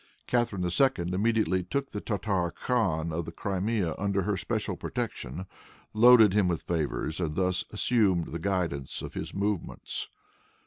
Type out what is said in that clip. Catharine II. immediately took the Tartar khan of the Crimea under her special protection, loaded him with favors, and thus assumed the guidance of his movements.